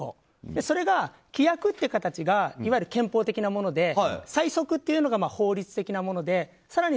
それが規約という形がいわゆる憲法的なもので細則っていうものが法律というもので更に